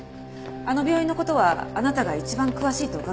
あの病院の事はあなたが一番詳しいと伺ったんですが。